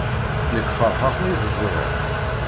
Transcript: Nekk ferḥeɣ mi t-ẓriɣ.